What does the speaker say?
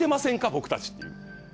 僕たちっていう。